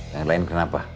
yang lain kenapa